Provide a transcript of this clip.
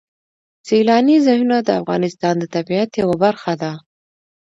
سیلاني ځایونه د افغانستان د طبیعت یوه برخه ده.